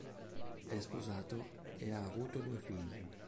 È sposato e ha avuto due figli.